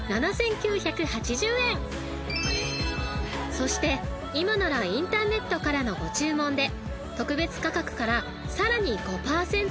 ［そして今ならインターネットからのご注文で特別価格からさらに５％オフに］